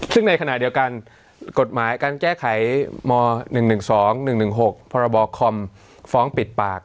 ซึ่งในขณะเดียวกันกฎหมายการแก้ไขม๑๑๒๑๑๖พรบคอมฟ้องปิดปาก